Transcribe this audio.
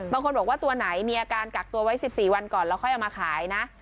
บางคนบอกว่าตัวไหนมีอาการกักตัวไว้๑๔วันก่อนแล้วค่อยเอามาขายนะ